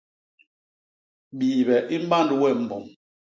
Biibe i mband we mbom.